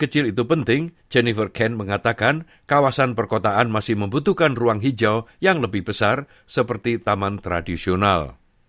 jennifer kent mengatakan kawasan perkotaan masih membutuhkan ruang hijau yang lebih besar seperti taman tradisional